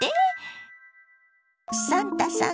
サンタさん